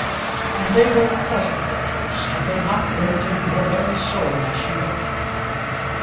And they were pleasant pictures, had they not burnt into her very soul as she looked at them.